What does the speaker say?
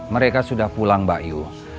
mereka sudah pulang mbak yu